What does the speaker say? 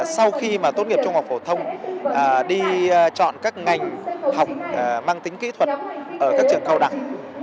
sau khi tốt nghiệp trung học phổ thông đi chọn các ngành học mang tính kỹ thuật ở các trường cao đẳng